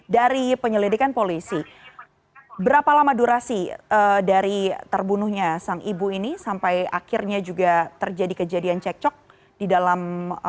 dari penyelidikan polisi berapa lama durasi dari terbunuhnya sang ibu ini sampai akhirnya juga terjadi kejadian cekcok di dalam